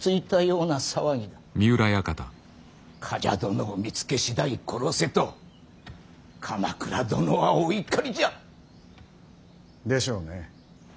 冠者殿を見つけ次第殺せと鎌倉殿はお怒りじゃ。でしょうね。